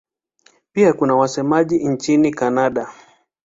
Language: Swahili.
Pia kuna wasemaji nchini Kanada.